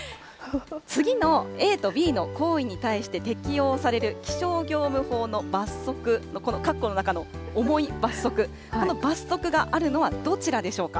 次のａとｂの行為に対して適用される気象業務法の罰則、このかっこの中の重い罰則、この罰則があるのはどちらでしょうか。